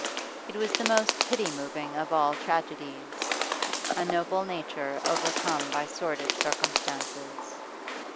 It was the most pity moving of all tragedies, a noble nature overcome by sordid circumstances.